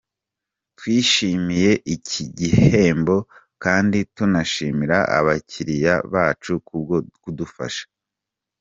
Twishimiye iki gihembo kandi tunashimira abakiriya bacu ku bwo kudufasha.